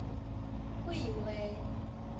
屁話